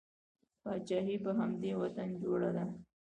پاچاهي په همدې وطن جوړه ده.